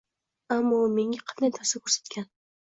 Ammo u menga qanday ta’sir ko’rsatgan.